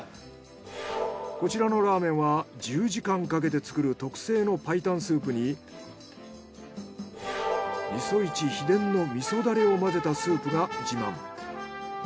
こちらのラーメンは１０時間かけて作る特製の白湯スープに味噌一秘伝の味噌ダレを混ぜたスープが自慢。